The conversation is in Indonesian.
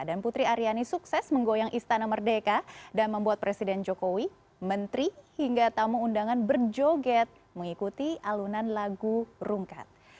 dan putri aryani sukses menggoyang istana merdeka dan membuat presiden jokowi menteri hingga tamu undangan berjoget mengikuti alunan lagu rungkat